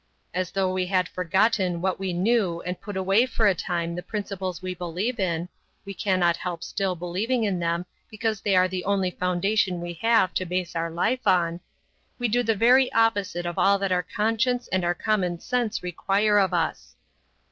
As though we had forgotten what we knew and put away for a time the principles we believe in (we cannot help still believing in them because they are the only foundation we have to base our life on) we do the very opposite of all that our conscience and our common sense require of us.